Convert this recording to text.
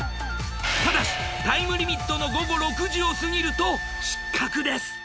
ただしタイムリミットの午後６時を過ぎると失格です。